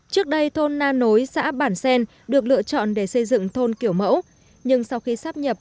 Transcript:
trước đây thôn na nối xã bản xen được lựa chọn để xây dựng thôn kiểu mẫu nhưng sau khi sắp nhập